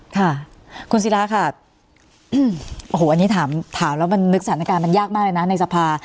ค่ะคุณศิราค่ะโอ้โหอันนี้ถามแล้วมันนึกสถานการณ์มันยากมากเลยนะในสภา